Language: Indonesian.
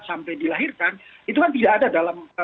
sampai dilahirkan itu kan tidak ada dalam